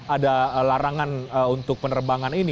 ada larangan untuk penerbangan ini